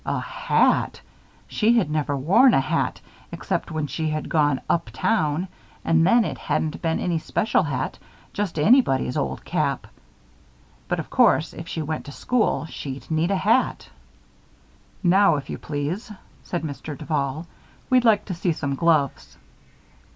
A hat! She had never worn a hat except when she had gone "up town" and then it hadn't been any special hat just anybody's old cap. But, of course, if she went to school she'd need a hat. "Now, if you please," said Mr. Duval, "we'd like to see some gloves."